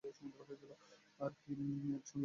আমরা কী আগে একসঙ্গে প্লেন উড়িয়েছি?